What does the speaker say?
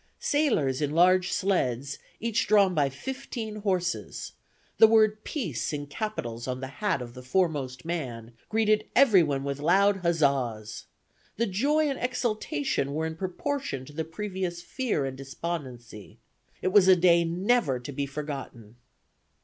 Sailors in large sleds, each drawn by fifteen horses, the word 'Peace' in capitals on the hat of the foremost man, greeted everyone with loud huzzas. The joy and exultation were in proportion to the previous fear and despondency. It was a day never to be forgotten."